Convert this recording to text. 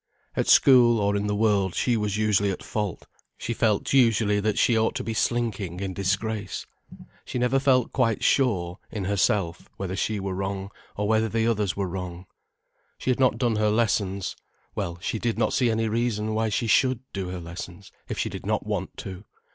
At school, or in the world, she was usually at fault, she felt usually that she ought to be slinking in disgrace. She never felt quite sure, in herself, whether she were wrong, or whether the others were wrong. She had not done her lessons: well, she did not see any reason why she should do her lessons, if she did not want to.